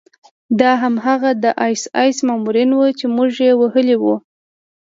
دا هماغه د اېس ایس مامورین وو چې موږ وهلي وو